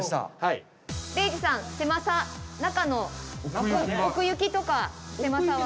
礼二さん狭さ中の奥行きとか狭さは？